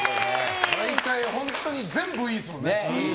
毎回本当に全部いいですもんね。